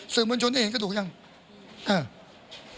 ซึ่งวันชนได้เห็นกระดูกหรือยัง